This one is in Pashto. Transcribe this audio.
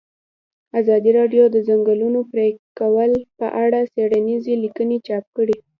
ازادي راډیو د د ځنګلونو پرېکول په اړه څېړنیزې لیکنې چاپ کړي.